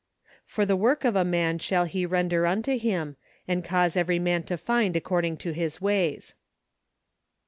" For the work of a man shall he render unto him, and cause every man to find according to his ways."